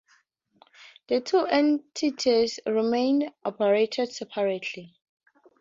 The two entities remain operated separately.